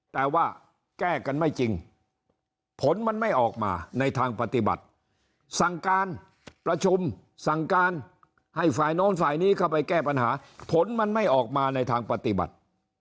แต่ว่าแก้กันไม่จริงผลมันไม่ออกมาในทางปฏิบัติสั่งการประชุมสั่งการให้ฝ่ายโน้นฝ่ายนี้เข้าไปแก้ปัญหาผลมันไม่ออกมาในทางปฏิบัติ